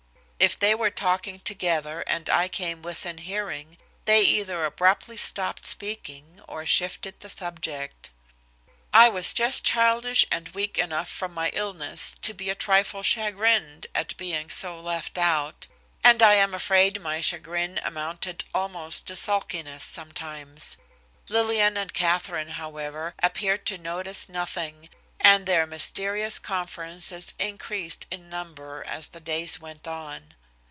If they were talking together, and I came within hearing, they either abruptly stopped speaking, or shifted the subject. I was just childish and weak enough from my illness to be a trifle chagrined at being so left out, and I am afraid my chagrin amounted almost to sulkiness sometimes. Lillian and Katherine, however, appeared to notice nothing, and their mysterious conferences increased in number as the days went on.